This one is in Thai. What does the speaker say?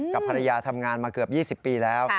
กับภรรยาทำงานมาเกือบ๒๐ปีแล้ว